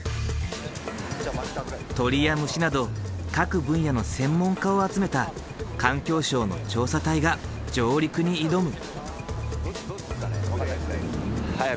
鳥や虫など各分野の専門家を集めた環境省の調査隊が上陸に挑む。